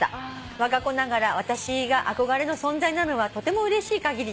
「わが子ながら私が憧れの存在なのはとてもうれしい限りです」